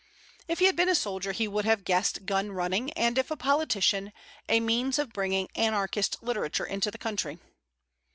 If he had been a soldier he would have guessed gun running, and if a politician, a means of bringing anarchist literature into the country.